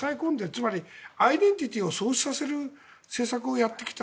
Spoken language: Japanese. つまりアイデンティティーを喪失させる政策をやってきた。